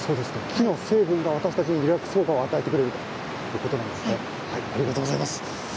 木の成分が私たちにリラックス効果を与えてくれるっていうことなんですね。